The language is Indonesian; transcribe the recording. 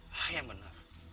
ah ya benar